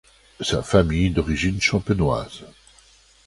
Sa famille d'origine champenoise.